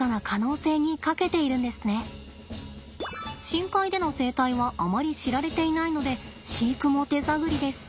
深海での生態はあまり知られていないので飼育も手探りです。